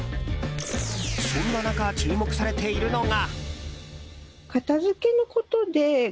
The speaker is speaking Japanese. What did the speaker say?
そんな中、注目されているのが。